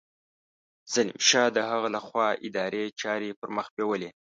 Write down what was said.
سلیم شاه د هغه له خوا اداري چارې پرمخ بېولې.